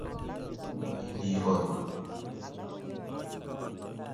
mowendii ooi